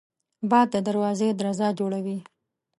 باد د دروازې درزا جوړوي